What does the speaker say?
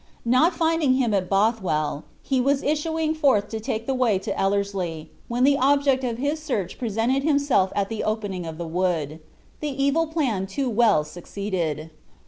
Not finding him at Bothwell, he was issuing forth to take the way to Ellerslie, when the object of his search presented himself at the opening of the wood. The evil plan too well succeeded.